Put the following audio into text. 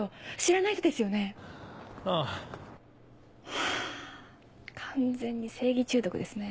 ハァ完全に正義中毒ですね。